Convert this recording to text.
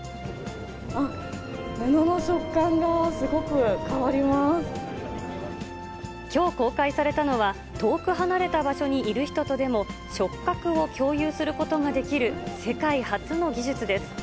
あっ、きょう、公開されたのは、遠く離れた場所にいる人とでも、触角を共有することができる世界初の技術です。